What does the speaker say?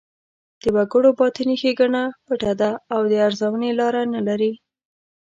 د وګړو باطني ښېګڼه پټه ده او د ارزونې لاره نه لري.